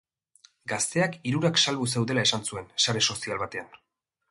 Gazteak hirurak salbu zeudela esan zuen sare sozial batean.